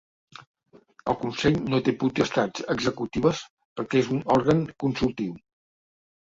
El consell no té potestats executives perquè és un òrgan consultiu.